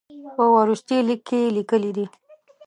په وروستي لیک کې یې لیکلي دي.